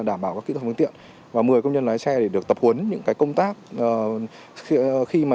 đảm bảo các kỹ thuật phương tiện và một mươi công nhân lái xe để được tập huấn những công tác khi mà